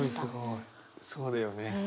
そうだよね。